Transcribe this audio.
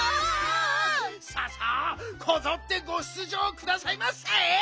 さあさあこぞってご出じょうくださいませ！